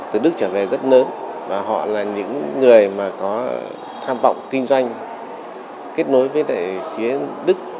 từ đức trở về rất lớn và họ là những người mà có tham vọng kinh doanh kết nối với phía đức